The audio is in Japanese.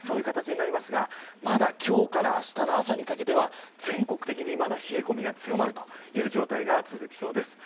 まだ今日からあしたの朝にかけては全国的に冷え込みが強まる状態が続きそうです。